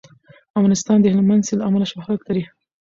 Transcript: افغانستان د هلمند سیند له امله شهرت لري.